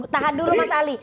tahan dulu mas ali